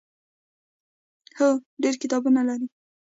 هو، ډیر کتابونه لري